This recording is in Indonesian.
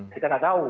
kita nggak tahu